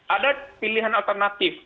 ada pilihan alternatif